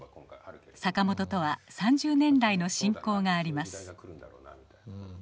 坂本とは３０年来の親交があります。